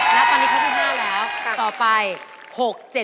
แล้วตอนนี้ครั้งที่๕แล้ว